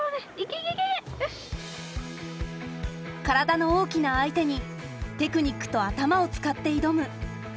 体の大きな相手にテクニックと頭を使って挑む